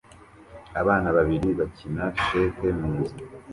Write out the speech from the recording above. abana babiri bakina cheque mu nzu